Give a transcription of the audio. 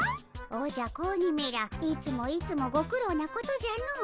おじゃ子鬼めらいつもいつもご苦労なことじゃの。